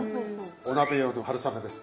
お鍋用の春雨です。